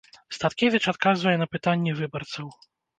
Статкевіч адказвае на пытанні выбарцаў.